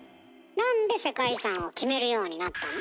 なんで世界遺産を決めるようになったの？